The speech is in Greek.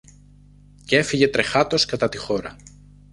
Κι έφυγε τρεχάτος κατά τη χώρα.